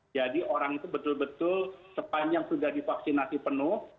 jadi orang itu betul betul sepanjang sudah divaksinasi penuh